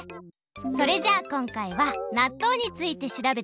それじゃあこんかいはなっとうについてしらべてくれる？